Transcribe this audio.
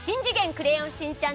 クレヨンしんちゃん